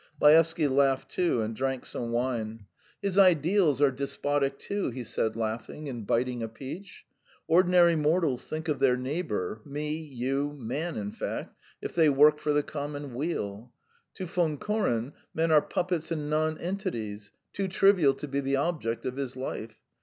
Laevsky laughed too, and drank some wine. "His ideals are despotic too," he said, laughing, and biting a peach. "Ordinary mortals think of their neighbour me, you, man in fact if they work for the common weal. To Von Koren men are puppets and nonentities, too trivial to be the object of his life.